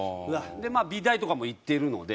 美大とかも行ってるので。